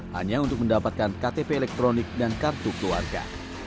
hanya untuk mendapatkan ktp elektronik dan kartu keluarga